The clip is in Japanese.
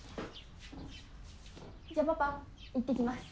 じゃあパパ行ってきます。